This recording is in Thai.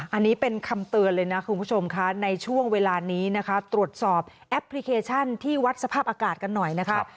อันนี้เป็นคำเตือนเลยนะคุณผู้ชมค่ะในช่วงเวลานี้นะคะตรวจสอบแอปพลิเคชันที่วัดสภาพอากาศกันหน่อยนะคะ